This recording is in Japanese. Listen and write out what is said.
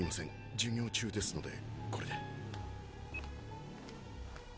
授業中ですのでこれで。